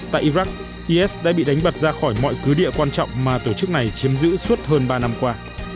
tại iraq is đã bị đánh bật ra khỏi mọi cứ địa quan trọng mà tổ chức này chiếm giữ suốt hơn ba năm qua